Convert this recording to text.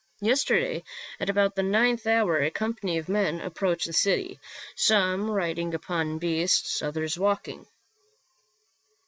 Yesterday, at about the ninth hour, a company of men approached the city, some riding upon beasts, others walking.